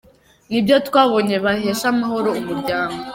Ni byo twabonye byahesha amahoro umuryango.